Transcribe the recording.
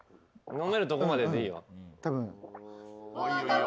飲めるとこまででいいよ。